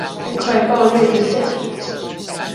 趕快抱怨一下